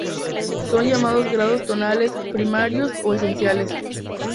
Son llamados Grados Tonales, Primarios o Esenciales.